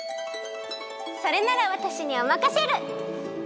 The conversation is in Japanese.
それならわたしにおまかシェル！